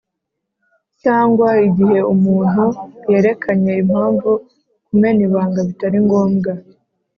cyangwa igihe umuntu yerekanye impamvu kumena ibanga bitari ngombwa